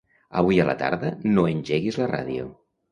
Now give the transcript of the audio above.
Avui a la tarda no engeguis la ràdio.